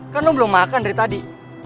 kan lo belum makan dari tadi